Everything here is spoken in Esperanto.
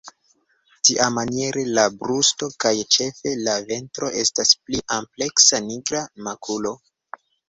Tiamaniere la brusto kaj ĉefe la ventro estas pli ampleksa nigra makulo.